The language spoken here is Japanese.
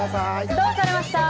どうされました？